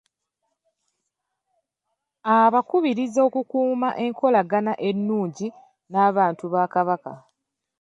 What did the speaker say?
Abakubirizza okukuuma enkolagana ennungi n’abantu ba Kabaka.